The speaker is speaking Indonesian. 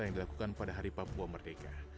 yang dilakukan pada hari papua merdeka